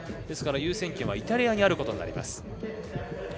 ですから、優先権はイタリアにあることになります。